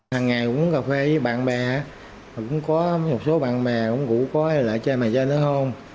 hằng ngày uống cà phê với bạn bè cũng có một số bạn bè cũng cũng có lại chơi mài chơi nữa không